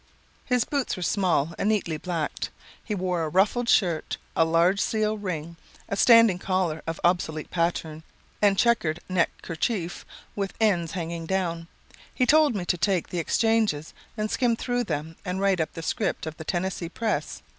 His boots were small and neatly blacked. He wore a ruffled shirt, a large seal ring, a standing collar of obsolete pattern, and checkered neck kerchief with ends hanging down. He told me to take the exchanges and skim through them and write up the 'Script of the Tennessee Press.'